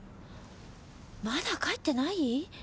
まだ帰ってない！？